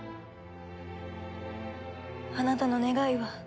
あなたの願いは。